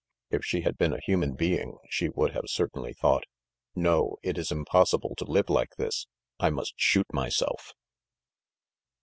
If she had been a human being she would have certainly thought: "No, it is impossible to live like this! I must shoot myself!"